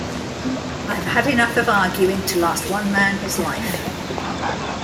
I have had enough of arguing to last one man his life.